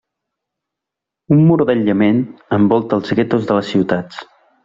Un mur d'aïllament envolta els guetos de les ciutats.